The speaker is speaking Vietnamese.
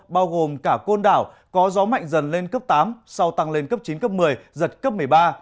bao gồm cả côn đảo có gió mạnh dần lên cấp tám sau tăng lên cấp chín cấp một mươi giật cấp một mươi ba